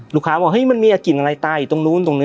ลูกค้าบอกเฮ้ยมันมีกลิ่นอะไรตรงนู้น